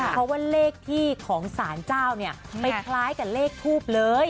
เพราะว่าเลขที่ของสารเจ้าเนี่ยไปคล้ายกับเลขทูบเลย